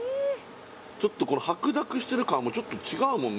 ちょっとこの白濁してる感もちょっと違うもんね